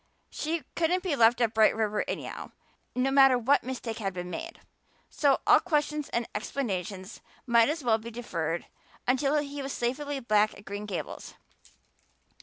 She couldn't be left at Bright River anyhow, no matter what mistake had been made, so all questions and explanations might as well be deferred until he was safely back at Green Gables.